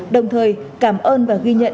đồng thời cảm ơn và ghi nhận